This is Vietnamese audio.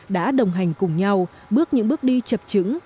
đã đồng hành cùng nhau bước những bước đi chập trứng